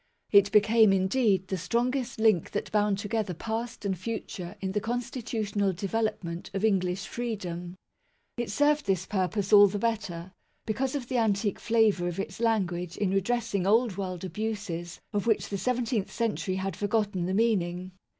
It became indeed the strongest link that bound together past and future in the constitutional development of English freedom. It served this purpose all the better, because of the antique flavour of its language in redressing old world abuses of which the seventeenth century had forgotten the meaning.